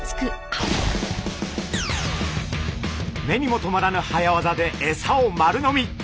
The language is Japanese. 目にも留まらぬ早業でエサを丸飲み！